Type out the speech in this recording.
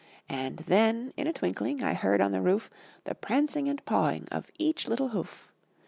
And then, in a twinkling, I heard on the roof The prancing and pawing of each little hoof.